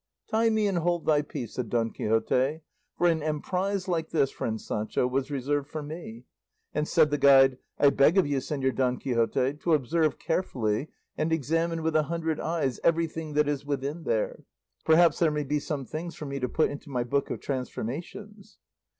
"Tie me and hold thy peace," said Don Quixote, "for an emprise like this, friend Sancho, was reserved for me;" and said the guide, "I beg of you, Señor Don Quixote, to observe carefully and examine with a hundred eyes everything that is within there; perhaps there may be some things for me to put into my book of 'Transformations.